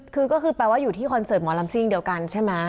คือก็คือแปลว่าอยู่ที่คอนเสิร์ตหมอลำซิ่งเดียวกันใช่ไหม